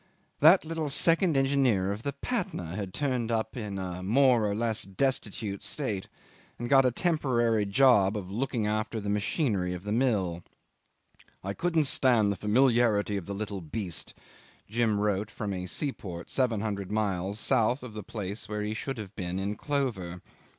That little second engineer of the Patna had turned up in a more or less destitute state, and got a temporary job of looking after the machinery of the mill. "I couldn't stand the familiarity of the little beast," Jim wrote from a seaport seven hundred miles south of the place where he should have been in clover.